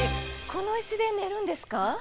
この椅子で寝るんですか？